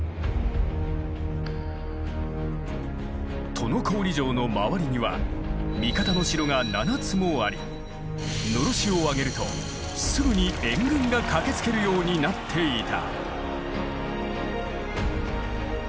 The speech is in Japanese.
都於郡城の周りには味方の城が７つもありのろしを上げるとすぐに援軍が駆けつけるようになっていた。